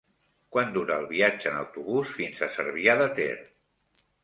Quant dura el viatge en autobús fins a Cervià de Ter?